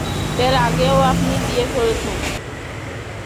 এর আগেও আপনি বিয়ে করেছেন?